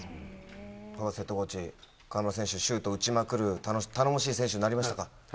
ホーバスヘッドコーチ、河村選手、シュート打ちまくる頼もしい選手になりましたか。